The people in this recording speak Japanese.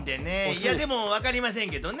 いやでも分かりませんけどね。